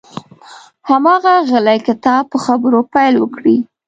هماغه غلی کتاب په خبرو پیل وکړي.